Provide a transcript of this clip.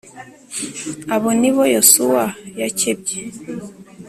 Abo Ni Bo Yosuwa Yakebye